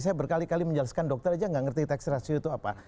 saya berkali kali menjelaskan dokter aja nggak ngerti tax ratio itu apa